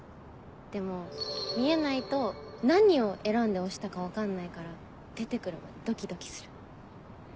でも見えないと何を選んで押したか分かんないから出て来るまでドキドキする。